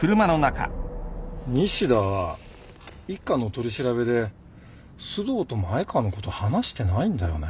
西田は一課の取り調べで須藤と前川のこと話してないんだよね。